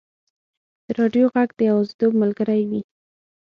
د راډیو ږغ د یوازیتوب ملګری وي.